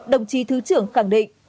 đồng chí thứ trưởng khẳng định